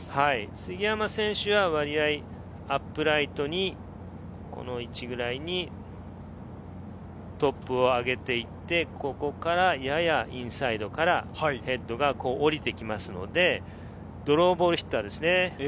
杉山選手は割合、アップライトに、この位置くらいにトップを上げていって、ここからややインサイドからヘッドが下りてきますので、ドローボールヒッターですね。